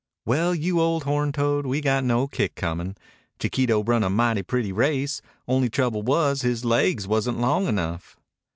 "Well, you old horn toad, we got no kick comin'. Chiquito run a mighty pretty race. Only trouble was his laigs wasn't long enough."